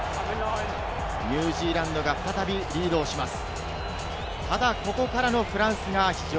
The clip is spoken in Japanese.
ニュージーランドが再びリードします。